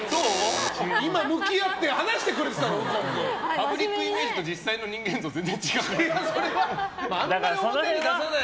今、向き合って話してくれてたろ、右近君。パブリックイメージと実際の人間像、全然違うから。